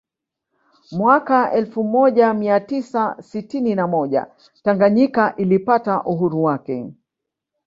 Mwaka elfu moja mia tisa sitini na moja Tanganyika ilipata uhuru wake